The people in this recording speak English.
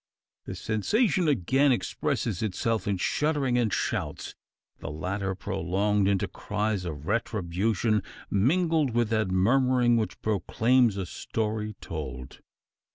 The "sensation" again expresses itself in shuddering and shouts the latter prolonged into cries of retribution mingled with that murmuring which proclaims a story told.